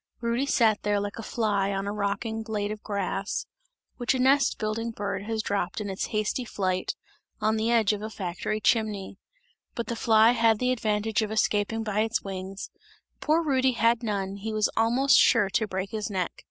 Rudy sat there like a fly on a rocking blade of grass, which a nest building bird has dropped in its hasty flight, on the edge of a factory chimney; but the fly had the advantage of escaping by its wings, poor Rudy had none, he was almost sure to break his neck.